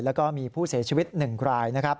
แล้วก็มีผู้เสียชีวิต๑ราย